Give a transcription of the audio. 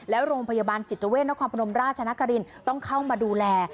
แล้วโรงพยาบาลจิตเวทนครพนมราชนครินต้องเข้ามาดูแล